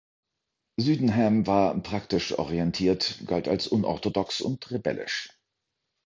Sydenham war praktisch orientiert, galt als unorthodox und rebellisch.